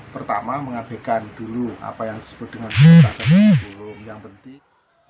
pertama mengabekkan dulu apa yang disebut dengan pembelajaran lewat daring